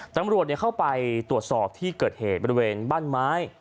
ตำรวจเข้าไปตรวจสอบที่เกิดเหตุบริเวณบ้านไม้